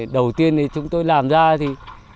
đầu tiên chúng tôi làm ra thì